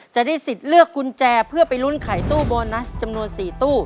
จะได้สิทธิ์เลือกกุญแจเพื่อไปลุ้นไขตู้โบนัสจำนวน๔ตู้